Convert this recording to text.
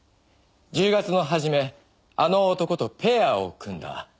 １０月の始めあの男とペアを組んだ」